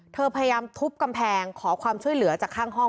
พยายามทุบกำแพงขอความช่วยเหลือจากข้างห้อง